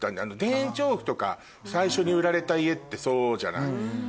田園調布とか最初に売られた家ってそうじゃない。